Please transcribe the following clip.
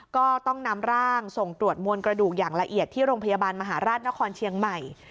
ก็ต้องนำร่างส่งตรวจมวลกระดูกอย่างละเอียดที่โรงพยาบาลมหาราชนครเชียงใหม่